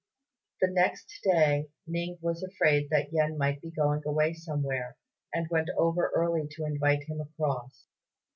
The next day Ning was afraid that Yen might be going away somewhere, and went over early to invite him across.